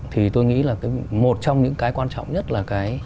thì tôi nghĩ là một trong những cái quan trọng nhất là cái